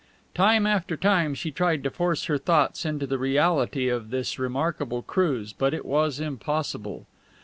Time after time she tried to force her thoughts into the reality of this remarkable cruise, but it was impossible.